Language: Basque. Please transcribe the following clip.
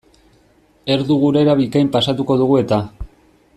Erdu gurera bikain pasatuko dugu eta.